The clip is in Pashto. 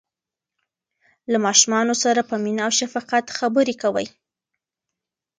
له ماشومانو سره په مینه او شفقت خبرې کوئ.